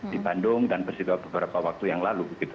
di bandung dan peristiwa beberapa waktu yang lalu